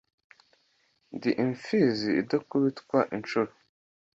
ndi imfizi idakubitwa inshuro